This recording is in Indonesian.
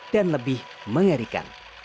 dan lebih mengerikan